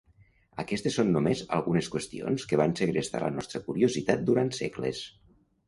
Aquestes són només algunes qüestions que van segrestar la nostra curiositat durant segles.